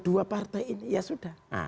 dua partai ini ya sudah